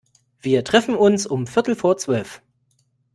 Wir treffen uns um viertel vor zwölf.